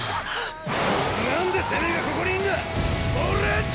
何でてめえがここにいんだオレンジ！